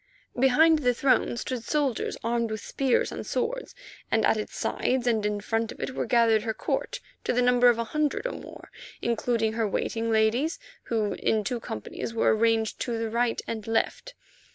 Behind the throne stood soldiers armed with spears and swords, and at its sides and in front of it were gathered her court to the number of a hundred or more, including her waiting ladies, who in two companies were arranged to the right and left.